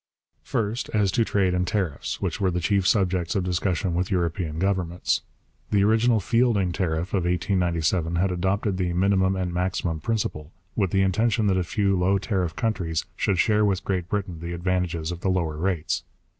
First, as to trade and tariffs, which were the chief subjects of discussion with European governments. The original Fielding tariff of 1897 had adopted the minimum and maximum principle, with the intention that a few low tariff countries should share with Great Britain the advantages of the lower rates.